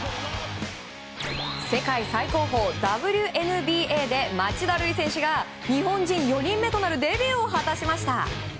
世界最高峰、ＷＮＢＡで町田瑠唯選手が日本人４人目となるデビューを果たしました。